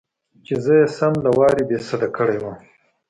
چې زه يې سم له وارې بېسده کړى وم.